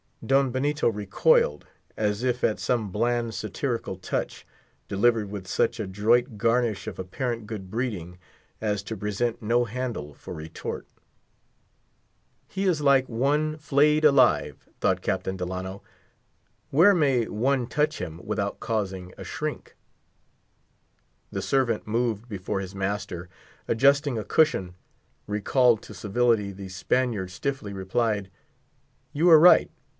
Don Benito recoiled, as if at some bland satirical touch, delivered with such adroit garnish of apparent good breeding as to present no handle for retort. He is like one flayed alive, thought Captain Delano; where may one touch him without causing a shrink? The servant moved before his master, adjusting a cushion; recalled to civility, the Spaniard stiffly replied: "you are right.